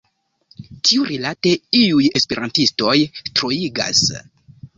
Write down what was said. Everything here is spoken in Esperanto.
Tiurilate iuj esperantistoj troigas.